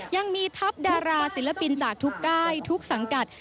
ยังมีทัพดาราศิลปินจากทุกก้ายทุกสังกัด